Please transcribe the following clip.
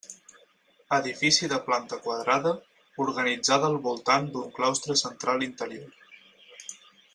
Edifici de planta quadrada, organitzada al voltant d'un claustre central interior.